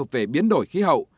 về biến đổi khí hậu